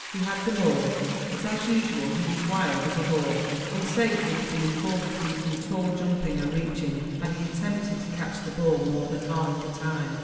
He had them all; but, as usual, he was wild as a hawk, and Sage would have been forced to do some tall jumping and reaching had he attempted to catch the ball more than half the time.